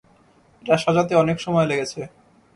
এটা সাজাতে অনেক সময় লেগেছে।